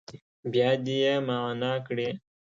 بیا دې يې معنا کړي.